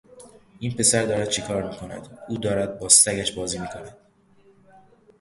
این پسر دارد چکار می کند؟ او دارد با سگش بازی می کند.